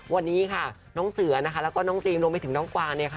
วันนี้เสือนจีมและกวาง